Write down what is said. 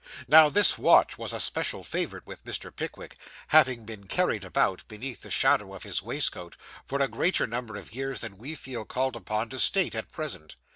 Now this watch was a special favourite with Mr. Pickwick, having been carried about, beneath the shadow of his waistcoat, for a greater number of years than we feel called upon to state at present.